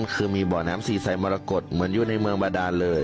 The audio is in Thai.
คือมีบ่อน้ำสีไซมรกฏเหมือนอยู่ในเมืองบาดานเลย